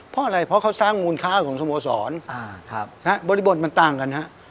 เพราะอะไรเพราะเขาสร้างมูลค่าของสโมสรบริบทมันต่างกันฮะ